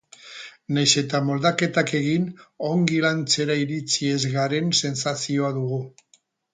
Nahiz eta moldaketak egin, ongi lantzera iritsi ez garen sentsazioa dugu.